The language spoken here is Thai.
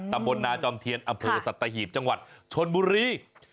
ตำบลนาจอมเทียนอำเภอสัตหีบจังหวัดชนบุรี